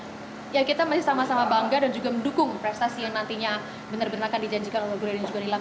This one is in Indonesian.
dan semoga juga anda ya kita masih sama sama bangga dan juga mendukung prestasi yang nantinya benar benarkan dijanjikan oleh gloria dan juga nilam